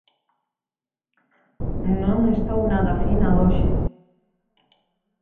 Non estou nada fina hoxe.